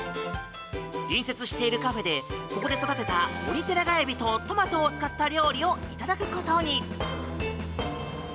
隣接しているカフェでここで育てたオニテナガエビとトマトを使った料理をいただくことに。